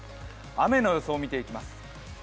雨の予想をみていきます。